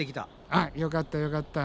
あっよかったよかった。